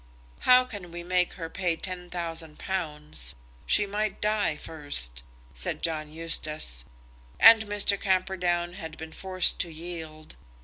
"How can we make her pay ten thousand pounds? She might die first," said John Eustace; and Mr. Camperdown had been forced to yield.